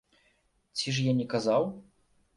Ці ж я не казаў?!